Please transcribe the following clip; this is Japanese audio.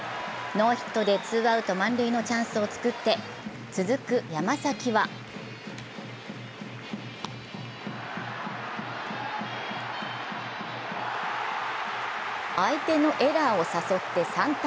ノーヒットでツーアウト満塁のチャンスを作って続く山崎は相手のエラーを誘って３−２。